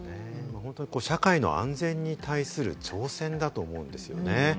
社会の安全に対する挑戦だと思うんですよね。